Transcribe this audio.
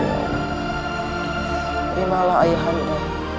terimalah ayah anda